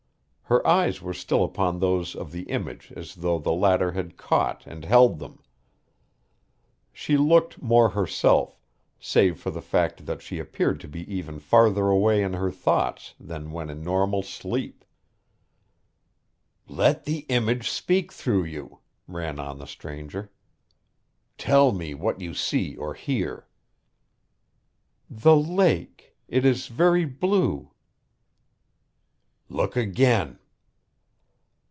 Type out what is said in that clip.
Her eyes were still upon those of the image as though the latter had caught and held them. She looked more herself, save for the fact that she appeared to be even farther away in her thoughts than when in normal sleep. "Let the image speak through you," ran on the stranger. "Tell me what you see or hear." "The lake it is very blue." "Look again."